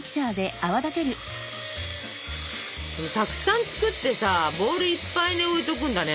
たくさん作ってさボールいっぱいに置いとくんだね。